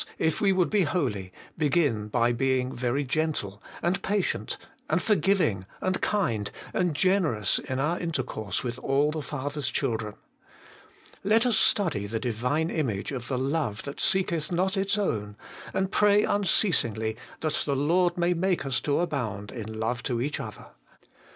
if we would be holy, begin by being very gentle;, and patient, and forgiving, and kind, and generous in our intercourse with all the Father's children. Let us study the Divine image of the love that seeketh not its own, and pray unceasingly that the Lord may make us to abound in love to each other.